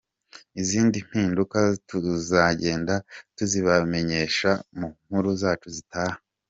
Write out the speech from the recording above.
Izindi mpinduka tuzagenda tuzibamenyesha mu nkuru zacu zitaha.